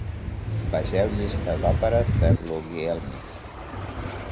Vegeu Llista d'òperes de Guglielmi.